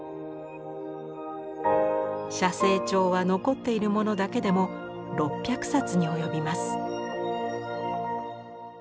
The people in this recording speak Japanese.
写生帖は残っているものだけでも６００冊に及びます。